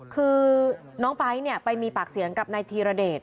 คือน้องไป๊ต์เนี่ยไปมีปากเสียงกับนายทีระเดช